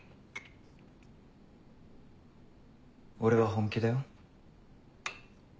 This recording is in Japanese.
俺は本気だよ。